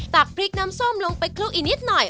ตักพริกน้ำส้มลงไปคลุกอีกนิดหน่อย